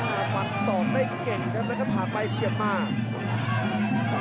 ห้าสับวันสอบได้เก่งครับแล้วก็ผ่าไปเชียบมาก